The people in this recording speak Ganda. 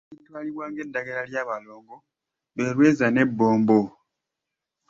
Eritwalibwa ng’eddagala ly’abalongo lwe lweza n’ebbombo.